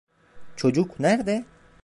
Çocuk nerede?